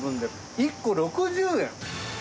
１個６０円。